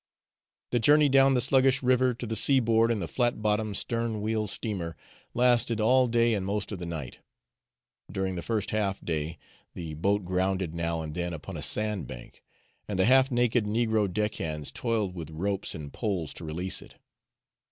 The journey down the sluggish river to the seaboard in the flat bottomed, stern wheel steamer lasted all day and most of the night. During the first half day, the boat grounded now and then upon a sand bank, and the half naked negro deck hands toiled with ropes and poles to release it.